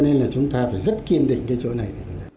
nên là chúng ta phải rất kiên định cái chỗ này